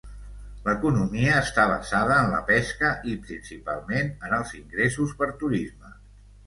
L'economia està basada en la pesca i principalment en els ingressos per turisme.